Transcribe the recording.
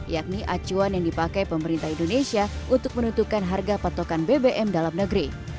yakni acuan yang dipakai pemerintah indonesia untuk menentukan harga patokan bbm dalam negeri